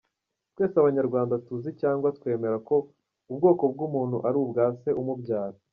Twese abanyarwanda tuzi cyangwa twemera ko ubwoko bw’umuntu ari ubwa se umubyara.